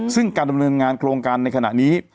ซึ่งการดำเนินงานโครงการในขณะนี้